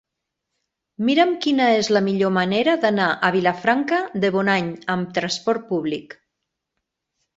Mira'm quina és la millor manera d'anar a Vilafranca de Bonany amb transport públic.